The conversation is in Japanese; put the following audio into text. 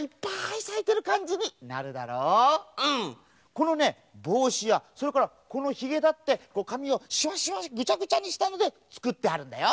このねぼうしやそれからこのひげだってかみをしわしわぐちゃぐちゃにしたのでつくってあるんだよ！